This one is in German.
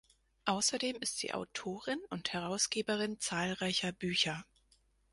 Ausserdem ist sie Autorin und Herausgeberin zahlreicher Bücher.